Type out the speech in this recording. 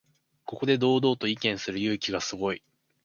ここで堂々と意見する勇気がすごい